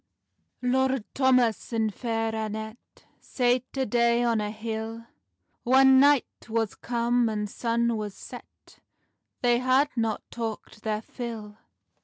182.) LORD THOMAS and Fair Annet Sate a' day on a hill; Whan night was cum, and sun was sett, They had not talkt their fill.